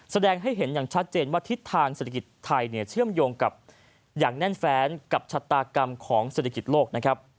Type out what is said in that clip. แสดงให้เห็นอย่างชัดเจนว่าทิศทางเศรษฐกิจไทยเชื่อมโยงกับอย่างแน่นแฟนกับชะตากรรมของเศรษฐกิจโลกนะครับ